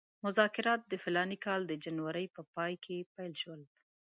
مذاکرات د فلاني کال د جنورۍ په پای کې پیل شول.